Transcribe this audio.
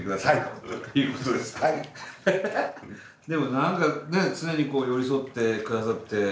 でも何かね常に寄り添って下さって。